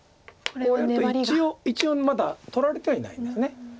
これだと一応まだ取られてはいないんです。